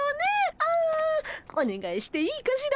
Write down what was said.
あおねがいしていいかしら？